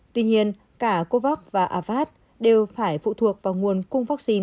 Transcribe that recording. tuy nhiên cả covax và avat đều phải phụ thuộc vào nguồn cung vaccine